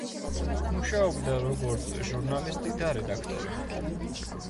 მუშაობდა როგორც ჟურნალისტი და რედაქტორი.